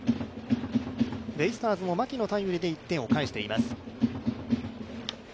ベイスターズも牧のタイムリーで１点を返しています。